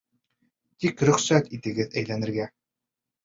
Тик рөхсәт итегеҙ әйләнергә.